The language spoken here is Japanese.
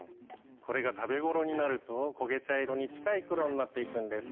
これが食べごろになると焦げ茶色に近い黒になって行くんです。